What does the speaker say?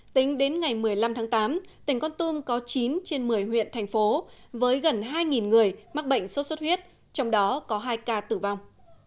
tính đến ngày một mươi năm tháng tám tỉnh con tum có chín trên một mươi huyện thành phố với gần hai người mắc bệnh sốt xuất huyết trong đó có hai ca tử vong